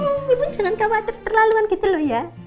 ibu jangan kamu atur terlaluan gitu lu ya